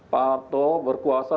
pak harto berkuasa